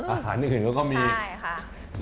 อาหารอื่นเขาก็มีใช่ค่ะ